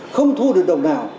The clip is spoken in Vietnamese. không thu được đồng nào